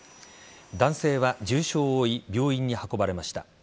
男性は重傷を負い病院に運ばれました。